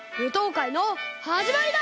かいのはじまりだ！